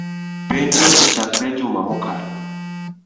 Penj nosechakore juma mokalo